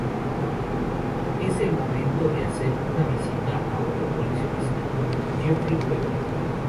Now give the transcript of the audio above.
Es el momento de hacer una visita a otro coleccionista: Jeffrey Weaver.